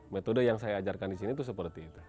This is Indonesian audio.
metode yang saya ajarkan disini tuh seperti itu